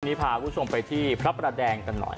นี่พาคุณผู้ชมไปที่พระประแดงกันหน่อย